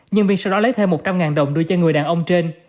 nhân viên sau đó lấy thêm một trăm linh đồng đưa cho người đàn ông trên